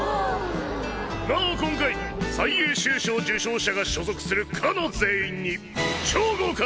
なお今回最優秀賞受賞者が所属する課の全員に超豪華！